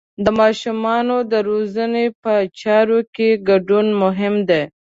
د ماشومانو د روزنې په چارو کې ګډون مهم دی.